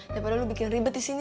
daripada lo bikin ribet disini